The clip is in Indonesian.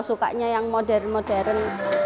sukanya yang modern modern